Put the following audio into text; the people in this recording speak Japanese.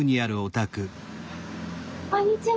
こんにちは。